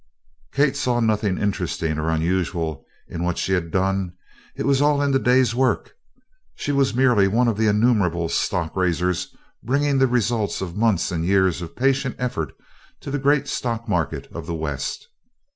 Kate saw nothing interesting or unusual in what she had done it was all in the day's work. She was merely one of innumerable stock raisers bringing the results of months and years of patient effort to the great stock market of the west.